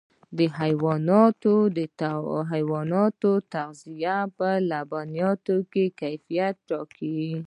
د حیواناتو تغذیه د لبنیاتو کیفیت ټاکي.